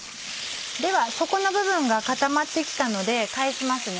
では底の部分が固まって来たので返しますね。